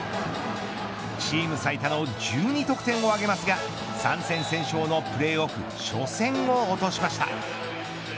チーム最多の１２得点を挙げますが３戦先勝のプレーオフ初戦を落としました。